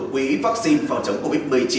quý vắc xin phòng chống covid một mươi chín